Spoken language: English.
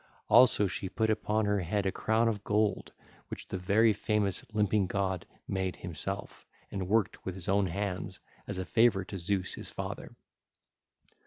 Also she put upon her head a crown of gold which the very famous Limping God made himself and worked with his own hands as a favour to Zeus his father.